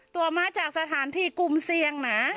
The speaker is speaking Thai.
ตัวมาจากสถานที่กลุ่มเสี่ยงนะ